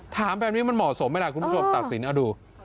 ถามแบบนี้มันเหมาะสมไหมล่ะคุณผู้ชมตัดสินเอาดู